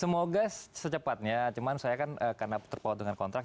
semoga secepatnya cuma saya kan karena terpaut dengan kontrak